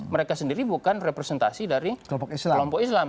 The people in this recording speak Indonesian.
mereka sendiri bukan representasi dari kelompok islam